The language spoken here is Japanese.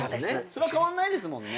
それは変わんないですもんね。